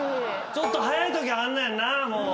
「ちょっと早いときあんねんな」